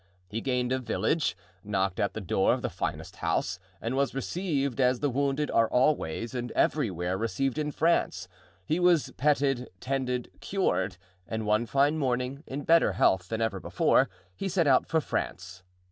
He gained a village, knocked at the door of the finest house and was received as the wounded are always and everywhere received in France. He was petted, tended, cured; and one fine morning, in better health than ever before, he set out for France.